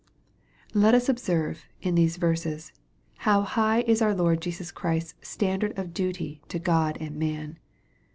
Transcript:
Let us observe, iu these verses, how high is our Lord Jesus Christ s standard of duty to God and man.